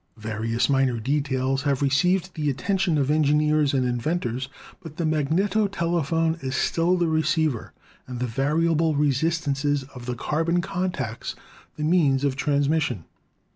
Various minor details have received the attention of en gineers and inventors, but the magneto telephone is still the receiver and the variable resistances of the carbon contacts the means of transmission.